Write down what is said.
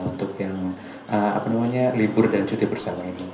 untuk yang apa namanya libur dan cuti bersama ini